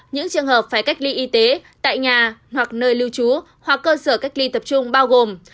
những trường hợp phải cách ly y tế tại nhà hoặc nơi lưu trú hoặc cơ sở cách ly tập trung bao gồm